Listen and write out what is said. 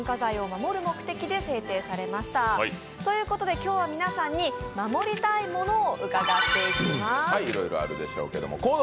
今日は、皆さんに守りたいものを伺っていきます。